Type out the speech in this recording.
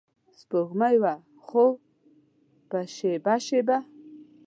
سپوږمۍ وه خو په شیبه شیبه